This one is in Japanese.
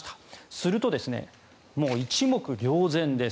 すると、もう一目瞭然です。